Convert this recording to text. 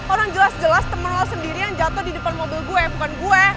orang jelas jelas temen lo sendiri yang jatuh di depan mobil gue bukan gue